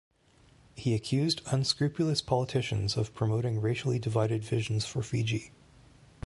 He accused "unscrupulous politicians" of promoting racially divided visions for Fiji.